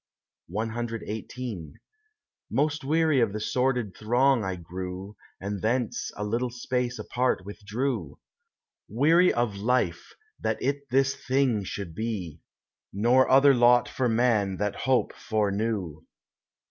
CXVIII Most weary of the sordid throng I grew, And thence a little space apart withdrew, Weary of life, that it this thing should be, Nor other lot for man that hope foreknew.